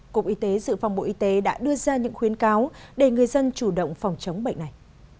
cục y tế dự phòng bộ y tế đã đưa ra những khuyến cáo để người dân chủ động phòng chống bệnh này